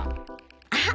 あっ！